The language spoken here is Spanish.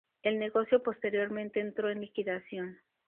El negocio posteriormente entró en liquidación.